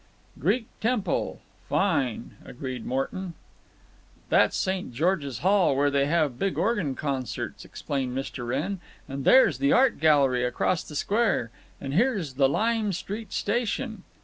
"Greek temple. Fine," agreed Morton. "That's St. George's Hall, where they have big organ concerts," explained Mr. Wrenn. "And there's the art gallery across the Square, and here's the Lime Street Station."